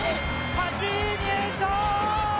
８位入賞！